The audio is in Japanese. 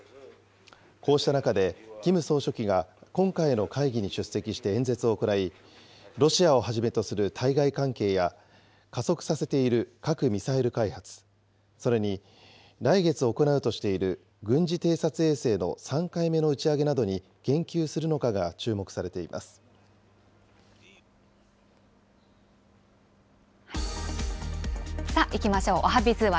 こうした中で、キム総書記が今回の会議に出席して演説を行い、ロシアをはじめとする対外関係や、加速させている核・ミサイル開発、それに来月行うとしている軍事偵察衛星の３回目の打ち上げなどにさあ、いきましょう。